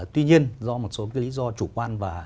tuy nhiên do một số lý do chủ quan